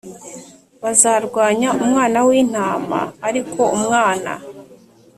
Bazarwanya Umwana w Intama ariko Umwana